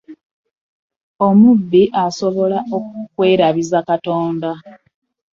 Omubi asobola okukwerabiza Katonda.